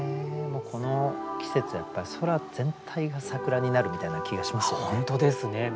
この季節やっぱり空全体が桜になるみたいな気がしますよね。